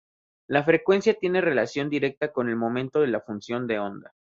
La frecuencia tiene relación directa con el momento de la función de onda.